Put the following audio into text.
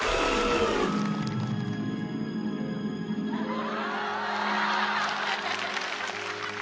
お！